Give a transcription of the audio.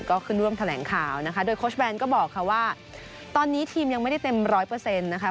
ก็ขึ้นร่วมแถลงข่าวนะคะโดยโค้ชแบนก็บอกค่ะว่าตอนนี้ทีมยังไม่ได้เต็มร้อยเปอร์เซ็นต์นะคะ